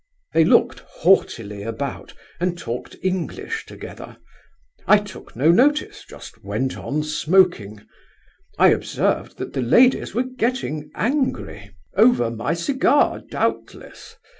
They looked haughtily about, and talked English together. I took no notice, just went on smoking. I observed that the ladies were getting angry—over my cigar, doubtless.